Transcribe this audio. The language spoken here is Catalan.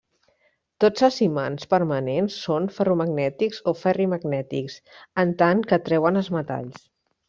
Tots els imants permanents són ferromagnètics o ferrimagnètics, en tant que atreuen els metalls.